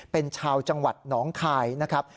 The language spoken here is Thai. เป็นชาวจังหวัดหนองคายนะครับ